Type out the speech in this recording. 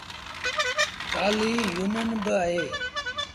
ٽآلهيٚ يونيٚن با اهي